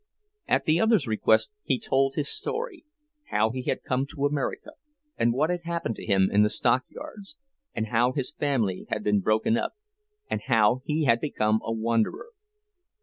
At the other's request he told his story; how he had come to America, and what had happened to him in the stockyards, and how his family had been broken up, and how he had become a wanderer.